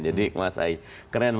jadi mas aik keren banget